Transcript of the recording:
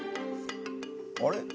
あれ？